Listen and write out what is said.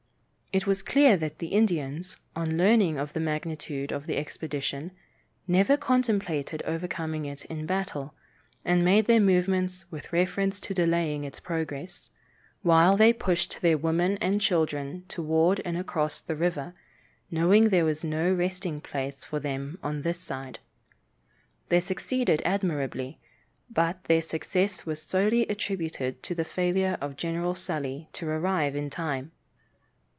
It was clear that the Indians, on learning of the magnitude of the expedition, never contemplated overcoming it in battle, and made their movements with reference to delaying its progress, while they pushed their women and children toward and across the river, knowing there was no resting place for them on this side. They succeeded admirably, but their success was solely attributed to the failure of General Sully to arrive in time.